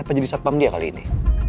apa jadi satpam dia kali ini